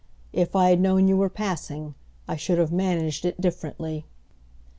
"If I had known you were passing I should have managed it differently."